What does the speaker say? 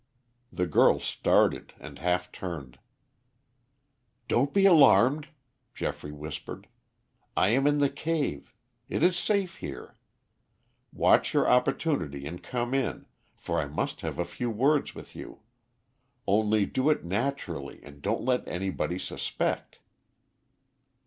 The girl started and half turned. "Don't be alarmed," Geoffrey whispered. "I am in the cave. It is safe here. Watch your opportunity and come in, for I must have a few words with you. Only do it naturally and don't let anybody suspect."